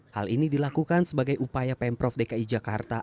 hal ini dilakukan sebagai upaya pemprov dki jakarta